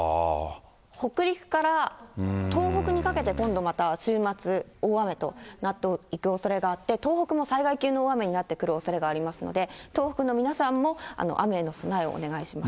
北陸から東北にかけて、今度また週末、大雨となっていくおそれがあって、東北も災害級の大雨になってくるおそれがありますので、東北の皆さんも雨への備えをお願いします。